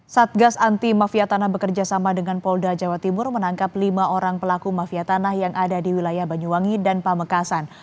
satgas anti mafia tanah bekerja sama dengan polda jawa timur menangkap lima orang pelaku mafia tanah yang ada di wilayah banyuwangi dan pamekasan